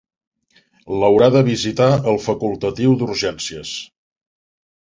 L'haurà de visitar el facultatiu d'urgències.